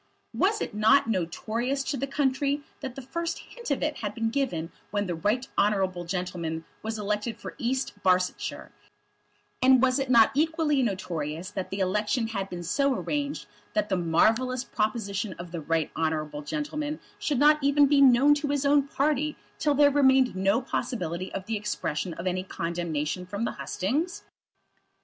Was it not notorious to the country that the first hint of it had been given when the Right Honourable gentleman was elected for East Barsetshire, and was it not equally notorious that that election had been so arranged that the marvellous proposition of the Right Honourable gentleman should not be known even to his own party till there remained no possibility of the expression of any condemnation from the hustings?